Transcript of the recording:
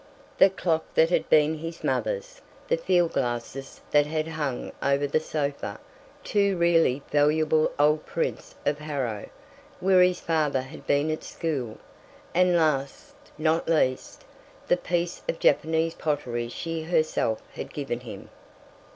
The clock that had been his mother's, the field glasses that had hung over the sofa; two really valuable old prints of Harrow, where his father had been at school, and last, not least, the piece of Japanese pottery she herself had given him.